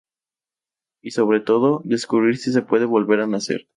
Y sobre todo, descubrir si se puede volver a nacer.